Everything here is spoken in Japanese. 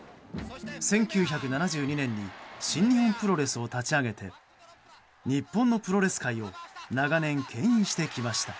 １９７２年に新日本プロレスを立ち上げて日本のプロレス界を長年、牽引してきました。